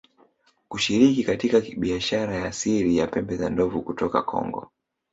kushiriki katika biashara ya siri ya pembe za ndovu kutoka Kongo